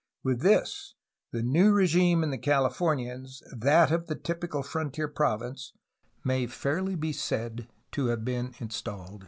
With this, the new regime in the Californias, that of the typical frontier prov ince, may fairly be said to have been installed.